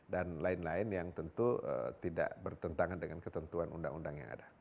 dan lain lain yang tentu tidak bertentangan dengan ketentuan undang undang yang ada